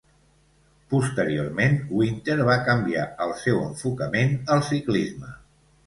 Posteriorment, Wynter va canviar el seu enfocament al ciclisme.